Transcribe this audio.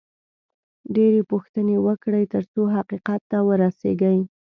ډېرې پوښتنې وکړئ، ترڅو حقیقت ته ورسېږئ